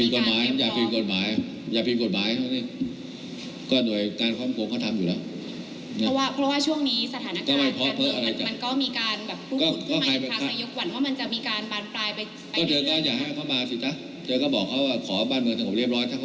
เขายิ่งทำแบบนี้ก็ไม่ได้เลือก